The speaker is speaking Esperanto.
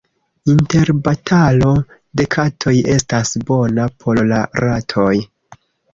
Interbatalo de katoj estas bona por la ratoj.